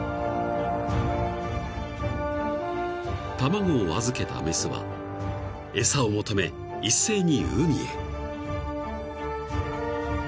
［卵を預けた雌は餌を求め一斉に海へ］